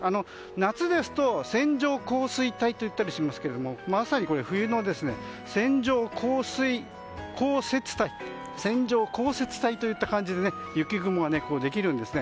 夏ですと線状降水帯といったりしますけどまさに冬の線状降雪帯といった感じで雪雲ができるんですね。